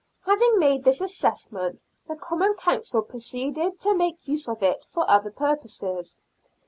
Having made this assessment, the Common Council proceeded to make use of it for other purposes.